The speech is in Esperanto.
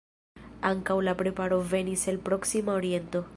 Ankaŭ la preparo venis el proksima oriento.